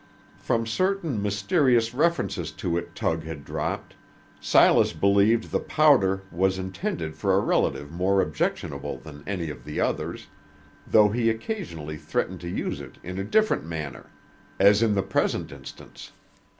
From certain mysterious references to it Tug had dropped, Silas believed the powder was intended for a relative more objectionable than any of the others, though he occasionally threatened to use it in a different manner, as in the present instance.